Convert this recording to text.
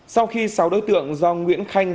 sau khi sáu đối tượng do nguyễn khanh